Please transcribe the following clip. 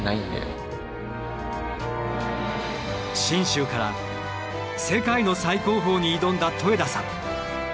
信州から世界の最高峰に挑んだ戸枝さん。